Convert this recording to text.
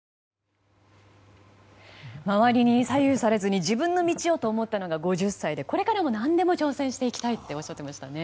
周りに左右されずに自分の道をと思ったのが５０歳で、これからも何でも挑戦していきたいとおっしゃっていましたね。